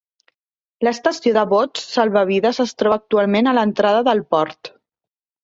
L'estació de bots salvavides es troba actualment a l'entrada del port.